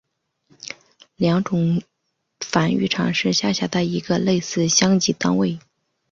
良种繁育场是下辖的一个类似乡级单位。